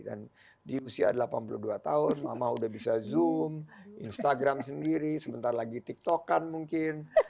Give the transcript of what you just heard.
di usia delapan puluh dua tahun mama udah bisa zoom instagram sendiri sebentar lagi tiktokan mungkin